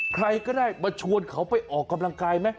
ใครก็ได้มาชวนเขาไปออกกำลังกายไหม